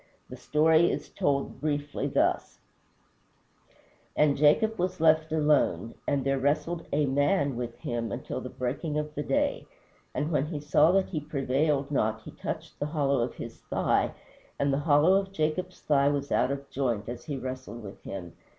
The story is told briefly thus: "And Jacob was left alone. And there wrestled A MAN with him until the breaking of day. And when he saw that he prevailed not he touched the hollow of his thigh, and the hollow of Jacob's thigh was out of joint as he wrestled with him.